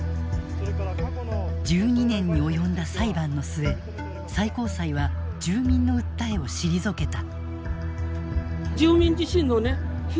１２年に及んだ裁判の末最高裁は住民の訴えを退けた。